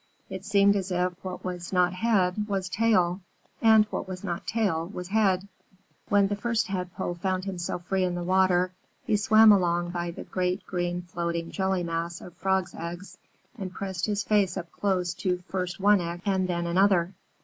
It seemed as if what was not head was tail, and what was not tail was head. When the First Tadpole found himself free in the water, he swam along by the great green floating jelly mass of Frogs' eggs, and pressed his face up close to first one egg and then another.